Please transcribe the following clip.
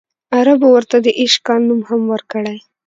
عربو ورته د ایش کال نوم هم ورکړی.